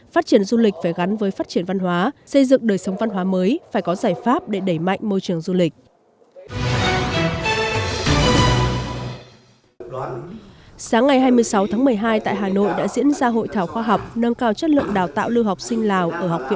phát triển du lịch phải gắn với phát triển văn hóa xây dựng đời sống văn hóa mới phải có giải pháp để đẩy mạnh môi trường du lịch